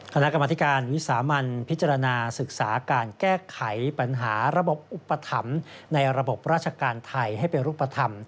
คณะกรรมธิการวิสามันพิจารณาศึกษาการแก้ไขปัญหาระบบอุปถัมภ์ในระบบราชการไทยให้เป็นรูปธรรม